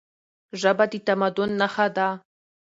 ژبه د تمدن نښه ده.